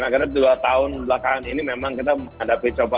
karena dua tahun belakangan ini memang kita menghadapi coba